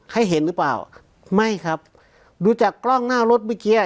ให้เห็นหรือเปล่าไม่ครับดูจากกล้องหน้ารถเมื่อกี้อ่ะ